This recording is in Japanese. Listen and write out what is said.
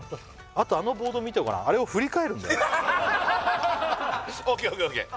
あとあのボード見てごらんあれを振り返るんだよＯＫＯＫＯＫ